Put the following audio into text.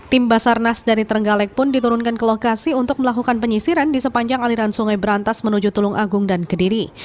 tim basarnas dari trenggalek pun diturunkan ke lokasi untuk melakukan penyisiran di sepanjang aliran sungai berantas menuju tulung agung dan kediri